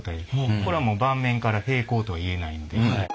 これはもう盤面から平行とは言えないんで。